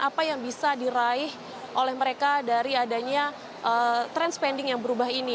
apa yang bisa diraih oleh mereka dari adanya trend spending yang berubah ini